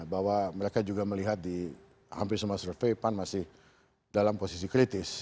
bahwa mereka juga melihat di hampir semua survei pan masih dalam posisi kritis